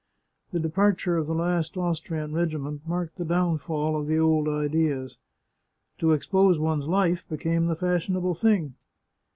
The departure of the last Austrian regiment marked the downfall of the old ideas. To expose one's life became the fashionable thing.